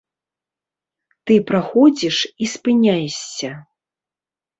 Ты праходзіш і спыняешся.